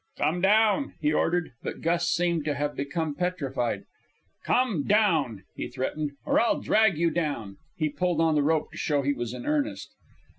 "Come down!" he ordered; but Gus seemed to have become petrified. "Come down," he threatened, "or I'll drag you down!" He pulled on the rope to show he was in earnest.